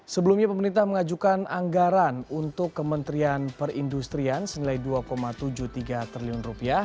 sebelumnya pemerintah mengajukan anggaran untuk kementerian perindustrian senilai rp dua tujuh puluh tiga triliun